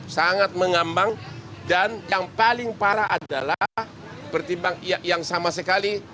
sangat mengambang dan yang paling parah adalah pertimbang yang sama sekali